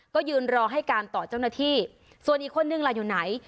ก็ยืนรอให้การต่อเจ้าหน้าที่ส่วนอีกคนนึงล่ะอยู่ไหน